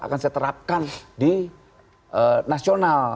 akan saya terapkan di nasional